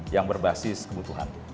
yang berbasis kebutuhan